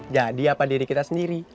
apa diri kita sendiri